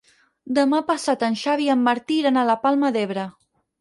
Demà passat en Xavi i en Martí iran a la Palma d'Ebre.